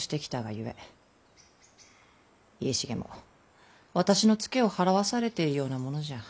家重も私のつけを払わされているようなものじゃ。